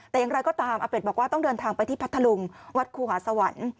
แต่อย่างไรก็ตามอาเป็ดบอกว่าต้องเดินทางไปที่พัทธลุงวัดครูหาสวรรค์